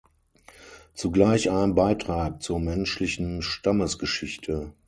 Zugleich ein Beitrag zur menschlichen Stammesgeschichte".